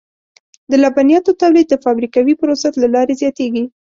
د لبنیاتو تولید د فابریکوي پروسس له لارې زیاتېږي.